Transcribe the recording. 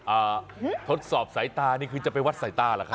อ่าทดสอบสายตานี่คือจะไปวัดสายตาเหรอครับ